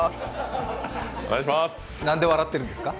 何で笑ってるんですか？